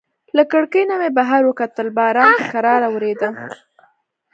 له کړکۍ نه مې بهر وکتل، باران په کراره وریده.